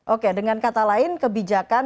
oke dengan kata lain kebijakan